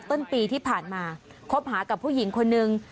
ต้นปีที่ผ่านมาคบหากับผู้หญิงคนนึง